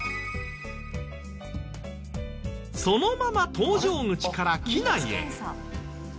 そのまま搭乗口から機内へ。